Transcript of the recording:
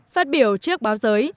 phát biểu trước báo giới